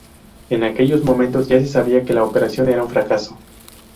En aquellos momentos ya se sabía que la operación era un fracaso.